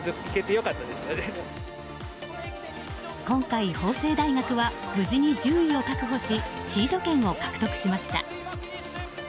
今回、法政大学は無事に１０位を確保しシード権を獲得しました。